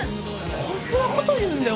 こんなこと言うんだよ